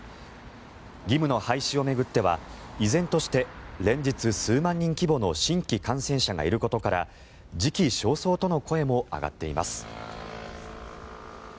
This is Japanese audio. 義務の廃止を巡っては依然として連日数万人規模の新規感染者がいることから時期尚早との声も上がっています。